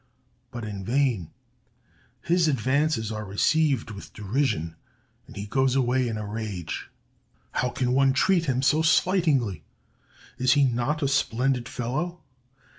But in vain. His advances are received with derision, and he goes away in a rage. How can one treat him so slightingly? Is he not a splendid fellow?